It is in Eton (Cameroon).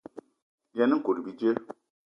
Yen nkout bíjé.